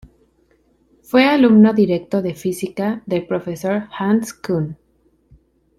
Fue alumno directo de Física del profesor Hans Kuhn.